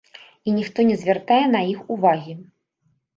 І ніхто не звяртае на іх увагі.